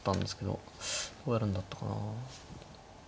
どうやるんだったかな。